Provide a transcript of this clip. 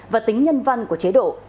và tính nhân văn của chế độ